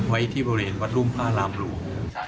ไว้ที่บริเวณวัดรุ่มพระรามหลวง